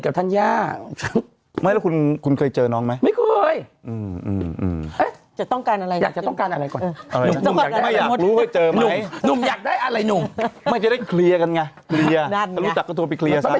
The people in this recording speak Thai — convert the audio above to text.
เขาก็พูดขนาดนี้เขาต้องรู้จักหนูจากทางทุกข้าง